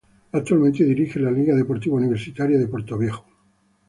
Actualmente dirige a Liga Deportiva Universitaria de Portoviejo.